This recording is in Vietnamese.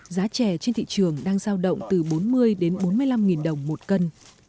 giá chè trên thị trường đang giao động từ bốn mươi đến bốn mươi năm đồng một cân